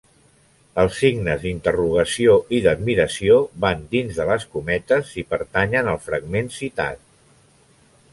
Els signes d'interrogació i d'admiració van dins de les cometes si pertanyen al fragment citat.